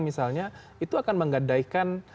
misalnya itu akan menggadaikan